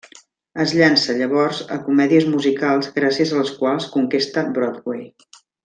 Es llança, llavors, a comèdies musicals gràcies a les quals conquesta Broadway.